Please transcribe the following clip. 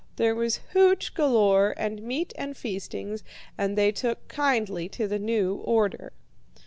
There was hooch galore, and meat and feastings, and they took kindly to the new order.